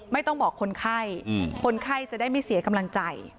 ไม่ต้องบอกคนไข้คนไข้จะได้ไม่เสียกำลังใจ